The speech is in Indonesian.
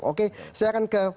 oke saya akan ke